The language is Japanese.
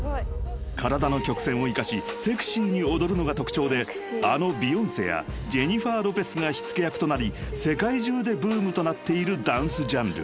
［体の曲線を生かしセクシーに踊るのが特徴であのビヨンセやジェニファー・ロペスが火付け役となり世界中でブームとなっているダンスジャンル］